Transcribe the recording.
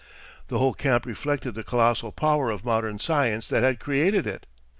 The whole camp reflected the colossal power of modern science that had created it.